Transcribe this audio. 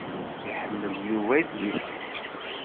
Iḥemmel Yuba idlisen.